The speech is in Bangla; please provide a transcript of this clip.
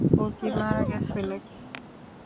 ও কি মারা গেছে নাকি?